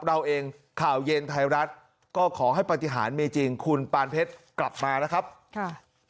เราเองข่าวเย็นไทยรัฐก็ขอให้ปฏิหารมีจริงคุณปานเพชรกลับมานะครับค่ะ